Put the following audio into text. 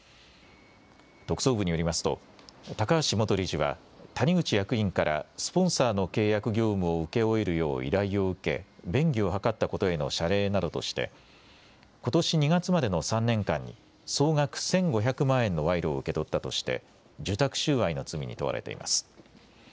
特捜部によりますと高橋元理事は谷口役員からスポンサーの契約業務を請け負えるよう依頼を受け便宜を図ったことへの謝礼などとしてことし２月までの３年間に総額１５００万円の賄賂を受け取ったとして受託収賄の罪に問われています。